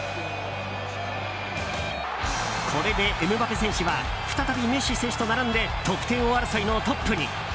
これでエムバペ選手は再びメッシ選手と並んで得点王争いのトップに。